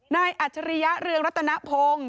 อัจฉริยะเรืองรัตนพงศ์